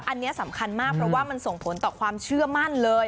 อันนี้สำคัญมากเพราะว่ามันส่งผลต่อความเชื่อมั่นเลย